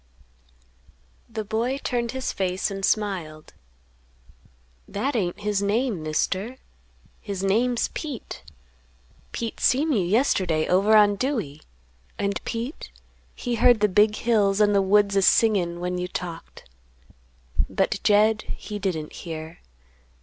The boy turned his face and smiled; "That ain't his name, Mister; his name's Pete. Pete seen you yesterday over on Dewey, and Pete he heard the big hills and the woods a singin' when you talked. But Jed he didn't hear.